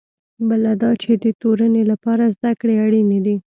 بله دا چې د تورنۍ لپاره زده کړې اړینې دي.